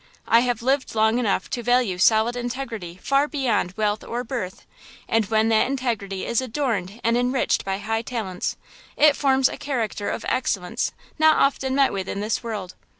I have lived long enough to value solid integrity far beyond wealth or birth, and when that integrity is adorned and enriched by high talents, it forms a character of excellence not often met with in this world.